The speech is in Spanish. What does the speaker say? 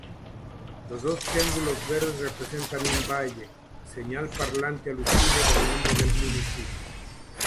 Los dos triángulos verdes representan un valle, señal parlante alusivo al nombre del municipio.